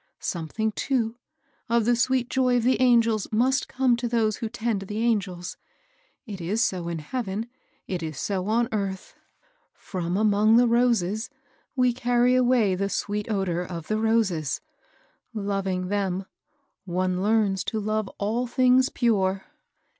Something, too, of the sweet joy of the angels must come to those who tend the an^ls ; it is so in heaven ; it is so on earth. From VISITOB OF THE FIBST FLOOB LODGER. 285 among the roses we cany away the sweet odor of the roses. Loving them, one learns to love all things pure."